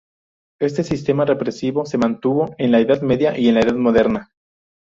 Este sistema represivo se mantuvo en la Edad Media y en la Edad Moderna.